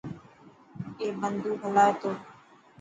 اي بندوڪ هلائي ٿو.